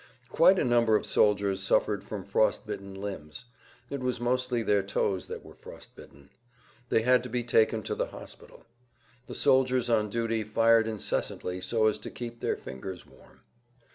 Quite a number of soldiers suffered from frost bitten limbs; it was mostly their toes that were frost bitten. They had to be taken to the hospital. The soldiers on duty fired incessantly so as to keep their fingers warm.